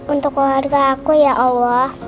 untuk keluarga aku ya allah